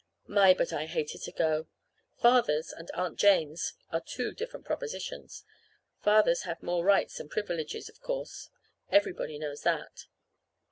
My, but I hated to go! Fathers and Aunt Janes are two different propositions. Fathers have more rights and privileges, of course. Everybody knows that.